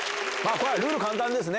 これはルール簡単ですね。